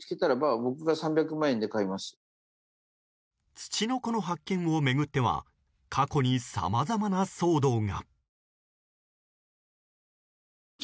ツチノコの発見を巡っては過去にさまざまな騒動が。